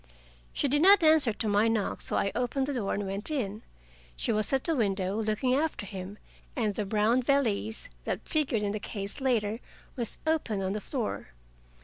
She did not answer to my knock, so I opened the door and went in. She was at the window, looking after him, and the brown valise, that figured in the case later, was opened on the floor.